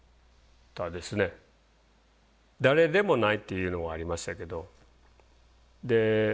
誰でもないというのはありましたけど。